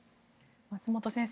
松本先生